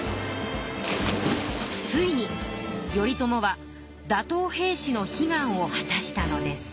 ついに頼朝は打とう平氏の悲願を果たしたのです。